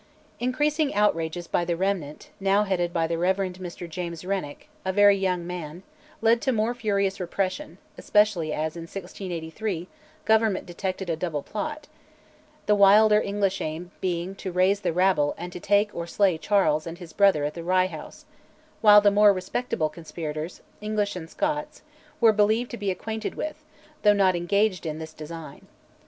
Increasing outrages by the Remnant, now headed by the Rev. Mr James Renwick, a very young man, led to more furious repression, especially as in 1683 Government detected a double plot the wilder English aim being to raise the rabble and to take or slay Charles and his brother at the Rye House; while the more respectable conspirators, English and Scots, were believed to be acquainted with, though not engaged in, this design.